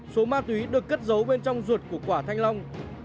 số ma túy được cất giấu bên trong ruột của quả thanh long